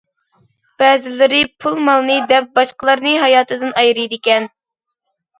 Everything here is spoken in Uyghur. بەزىلىرى پۇل- مالنى دەپ باشقىلارنى ھاياتىدىن ئايرىيدىكەن.